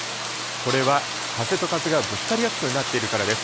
これは風と風がぶつかりやすくなっているからです。